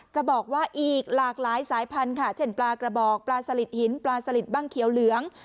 จะบอกว่าอีกหลากหลายสายพันธุ์ค่ะเช่นปลากระบอกปลาสลิดหินปลาสลิดบ้างเขียวเหลือง